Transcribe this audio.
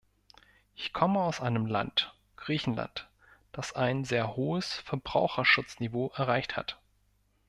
Ich komme aus einem Land, Griechenland, das ein sehr hohes Verbraucherschutzniveau erreicht hat.